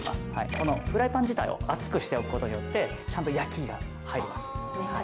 このフライパン自体を熱くしておくことによってちゃんと焼きが入ります